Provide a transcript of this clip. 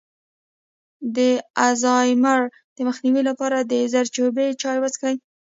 د الزایمر د مخنیوي لپاره د زردچوبې چای وڅښئ